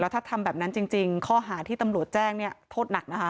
ถ้าทำแบบนั้นจริงข้อหาที่ตำรวจแจ้งเนี่ยโทษหนักนะคะ